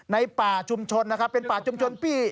ในป่าชุมชนนะครับเป็นป่าชุมชนปี้